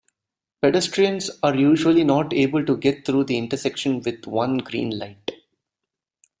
Pedestrians are usually not able to get through the intersection with one green light.